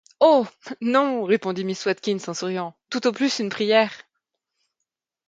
Oh! non, répondit miss Watkins en souriant, tout au plus une prière !...